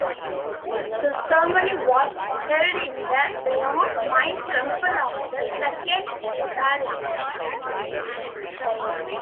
The ceremony was held in the 'Beyond Mind Temple of the Second Potala'.